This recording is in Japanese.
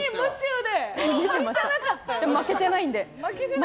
でも負けてないんで。